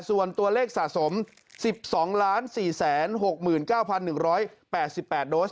ส่วนตัวเลขสะสม๑๒๔๖๙๑๘๘โดส